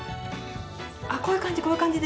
あこういう感じ